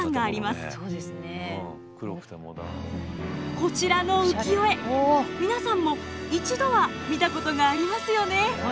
こちらの浮世絵皆さんも一度は見たことがありますよね。